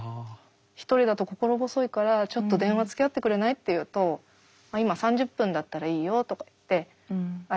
一人だと心細いからちょっと電話つきあってくれない？」って言うと「今３０分だったらいいよ」とかって相手してくれる友達がいたりとか。